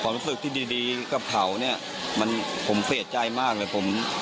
รู้สึกที่ดีกับเขาเนี่ยมันผมเสียใจมากเลยผม